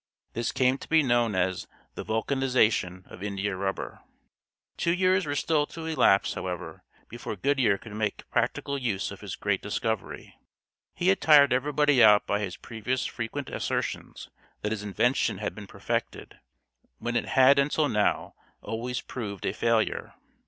This came to be known as the "vulcanization" of India rubber. Two years were still to elapse, however, before Goodyear could make practical use of his great discovery. He had tired everybody out by his previous frequent assertions that his invention had been perfected, when it had until now always proved a failure.